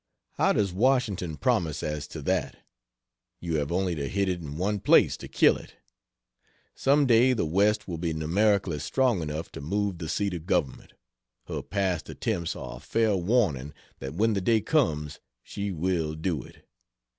How does Washington promise as to that? You have only to hit it in one place to kill it. Some day the west will be numerically strong enough to move the seat of government; her past attempts are a fair warning that when the day comes she will do it.